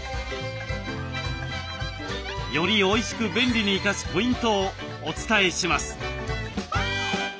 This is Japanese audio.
よりおいしく便利に生かすポイントをお伝えします。